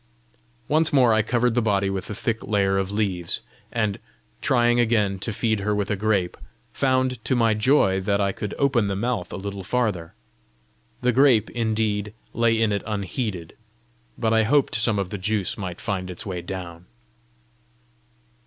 Once more I covered the body with a thick layer of leaves; and trying again to feed her with a grape, found to my joy that I could open the mouth a little farther. The grape, indeed, lay in it unheeded, but I hoped some of the juice might find its way down.